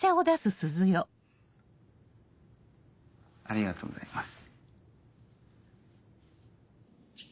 ありがとうございます。